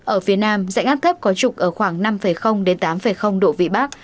ở phía nam dãnh áp thấp có trục ở khoảng năm đến tám độ vị bắc